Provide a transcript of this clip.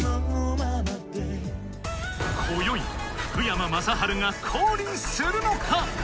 こよい福山雅治が降臨するのか？